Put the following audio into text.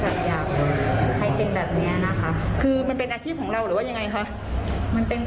จริงจริงค่ะไม่ไม่ได้แบบอยากให้เป็นแบบเนี้ยนะคะ